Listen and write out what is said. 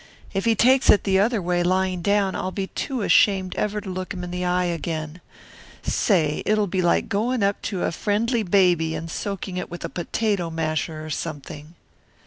If he takes it the other way, lying down, I'll be too ashamed ever to look him in the eye again. Say, it'll be like going up to a friendly baby and soaking it with a potato masher or something."